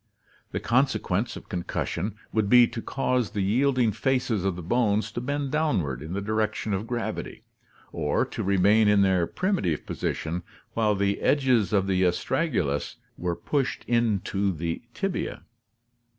The consequence of concussion would be to cause the yielding faces of the bones to bend downward in the direc tion of gravity, or to remain in their primitive position while the edges of the astragalus were pushed into the tibia.